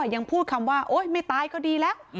ยังพูดคำว่าโอ๊ยไม่ตายก็ดีแล้ว